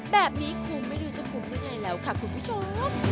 แบบนี้คุ้มไม่ได้เลยจะคุ้มไม่ได้แล้วค่ะคุณผู้ชม